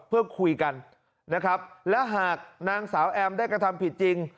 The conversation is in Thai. เพื่อคุยกันนะครับและหากนางสาวแอมได้กระทำผิดจริง